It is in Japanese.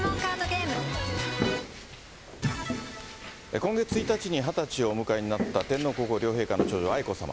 今月１日に２０歳をお迎えになった天皇皇后両陛下の長女、愛子さま。